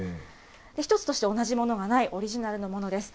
一つとして同じものがない、オリジナルのものです。